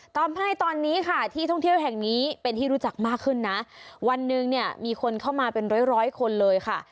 ทำให้ตอนนี้ค่ะที่ท่องเที่ยวแห่งนี้เป็นที่รู้จักมากขึ้นนะวันหนึ่งเนี่ยมีคนเข้ามาเป็นร้อยร้อยคนเลยค่ะ